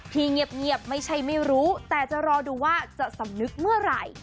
ที่เงียบไม่ใช่ไม่รู้แต่จะรอดูว่าจะสำนึกเมื่อไหร่